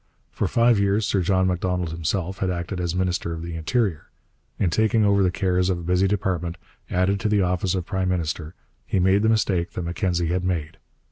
For five years Sir John Macdonald himself had acted as minister of the Interior. In taking over the cares of a busy department, added to the office of prime minister, he made the mistake that Mackenzie had made.